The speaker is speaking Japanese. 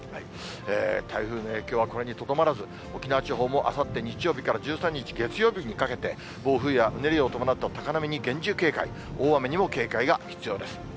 台風の影響はこれにとどまらず、沖縄地方もあさって日曜日から１３日月曜日にかけて、暴風やうねりを伴った高波に厳重警戒、大雨にも警戒が必要です。